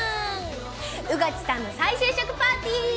穿地さんの再就職パーティー！